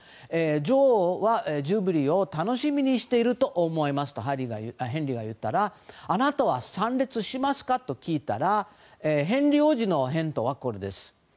女王はジュビリーを楽しみにしていると思いますとヘンリーが言ったらあなたは参列しますか？と聞いたらヘンリー王子の返答はこれです。